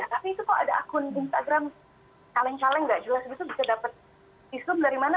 tapi itu kalau ada akun instagram kaleng kaleng nggak jelas gitu bisa dapat visum dari mana